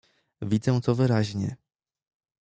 "Widzę to wyraźnie."